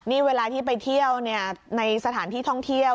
นี่เวลาที่ไปเที่ยวในสถานที่ท่องเที่ยว